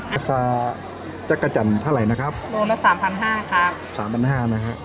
ราคาจักรจันทร์เท่าไหร่นะครับโลละสามพันห้าครับสามพันห้านะฮะ